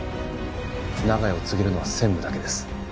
長屋を継げるのは専務だけです。